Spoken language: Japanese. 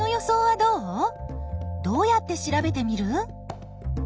どうやって調べてみる？